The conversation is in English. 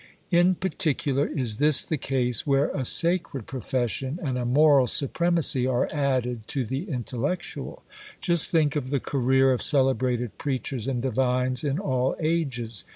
In particular is this the case where a sacred profession and a moral supremacy are added to the intellectual. Just think of the career of celebrated preachers and divines in all ages.